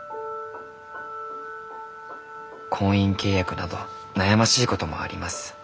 「婚姻契約など悩ましいこともあります。